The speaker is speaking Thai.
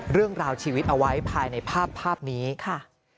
เรื่องราวชีวิตเอาไว้ภายในภาพภาพนี้ค่ะ